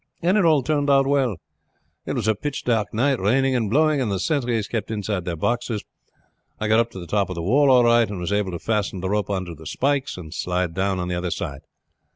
"It all turned out well. It was a pitch dark night, raining and blowing, and the sentries kept inside their boxes. I got up to the top of the wall all right, and was able to fasten the rope on to the spikes and slide down on the other side.